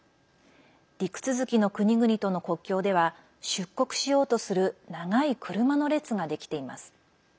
陸続きの国々との国境では出国しようとする長い車の列ができています。